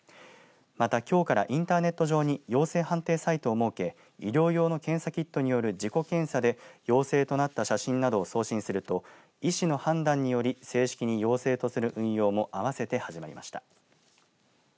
また、きょうからインターネット上に陽性判定サイトを設け医療用の検査キットによる自己検査で陽性となった写真などを送信すると医師の判断により正式に陽性とする運用も合わせて始まりました。